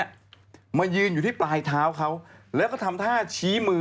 กลัวว่าผมจะต้องไปพูดให้ปากคำกับตำรวจยังไง